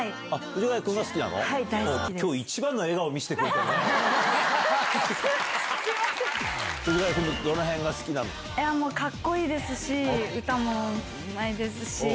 藤ヶ谷君、いや、もう、かっこいいですし、歌もうまいですし。